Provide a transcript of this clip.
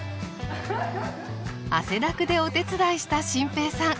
汗だくでお手伝いした心平さん。